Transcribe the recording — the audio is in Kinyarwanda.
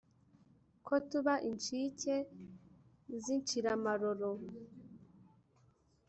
Ko tuba inshike zinshiramaroro.